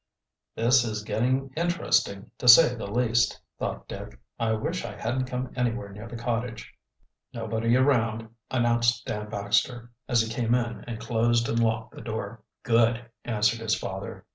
"This is getting interesting, to say the least," thought Dick. "I wish I hadn't come anywhere near the cottage." "Nobody around," announced Dan Baxter, as he came in and closed and locked the door. "Good," answered his father.